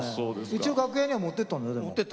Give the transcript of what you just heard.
一応、楽屋には持ってたんですよ。